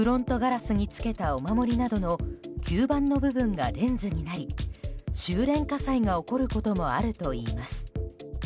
フロントガラスにつけたお守りなどの吸盤の部分がレンズになり収れん火災が起こることもあるといいます。